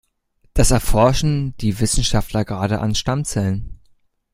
Das erforschen die Wissenschaftler gerade an Stammzellen.